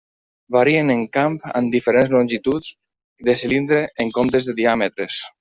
Varien en camp amb diferents longituds de cilindre, en comptes de diàmetres.